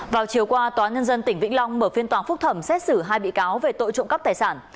vào chiều qua tòa nhân dân tỉnh vĩnh long mở phiên tòa phúc thẩm xét xử hai bị cáo về tội trộm cắp tài sản